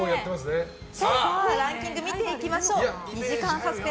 ランキング見ていきましょう。